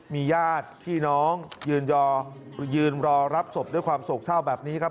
มีญาติพี่น้องยืนรอรับศพด้วยความโศกเศร้าแบบนี้ครับ